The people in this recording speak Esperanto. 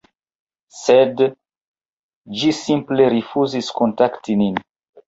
sed ĝi simple rifuzis kontakti nin.